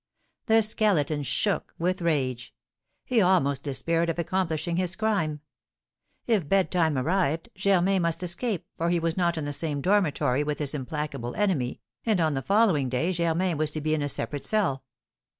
The Skeleton shook with rage. He almost despaired of accomplishing his crime. If bedtime arrived, Germain must escape, for he was not in the same dormitory with his implacable enemy, and on the following day Germain was to be in a separate cell.